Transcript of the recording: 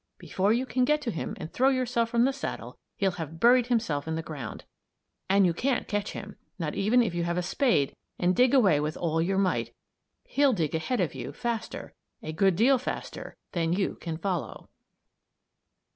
Before you can get to him and throw yourself from the saddle, he'll have buried himself in the ground. And you can't catch him; not even if you have a spade and dig away with all your might. He'll dig ahead of you, faster a good deal faster than you can follow.